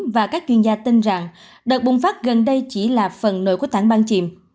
và các chuyên gia tin rằng đợt bùng phát gần đây chỉ là phần nổi của tảng băng chìm